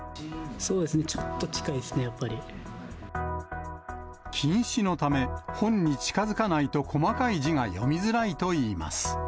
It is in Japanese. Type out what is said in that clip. ちょっと近いですね、やっぱ近視のため、本に近づかないと細かい字が読みづらいといいます。